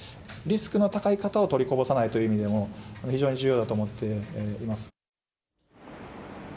リスクの高い方を取りこぼさないという意味でも、非常に重要だと思っています。